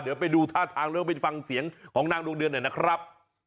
เดี๋ยวไปดูท่าทางแล้วไปฟังเสียงของนางดวงเดือนหน่อยนะครับ